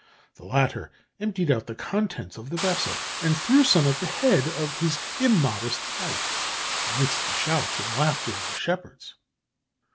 The latter emptied out the contents of the vessel and threw some at the head of his immodest wife, amidst the shouts and laughter of the shepherds."